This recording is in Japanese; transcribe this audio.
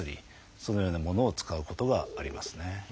そのようなものを使うことがありますね。